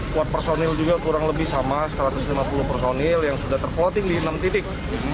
kuat personil juga kurang lebih sama satu ratus lima puluh personil yang sudah terploating di enam titik